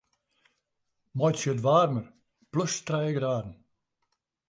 Meitsje it waarmer plus trije graden.